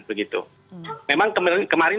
begitu memang kemarin